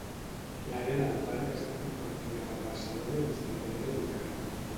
L'àrea del parc està compartida per Barcelona i l'Hospitalet de Llobregat.